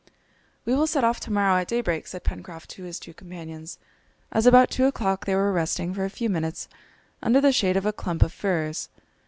"We will set off to morrow at daybreak," said Pencroft to his two companions, as about two o'clock they were resting for a few minutes under the shade of a clump of firs.